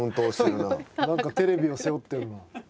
何かテレビを背負ってるな。